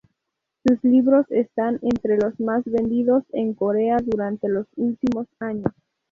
Sus libros están entre los más vendidos en Corea durante los últimos años.